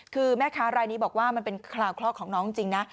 คือแม่ค้ารายนี้บอกว่ามันเป็นคราวคลอดของน้องจริงนะ